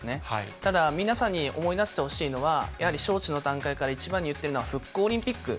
ただ、皆さんに思い出してほしいのは、やはり招致の段階から一番に言っているのは復興オリンピック。